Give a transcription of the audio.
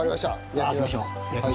やってみましょう。